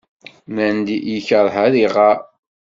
Nnan-d yekṛeh ad iɣer.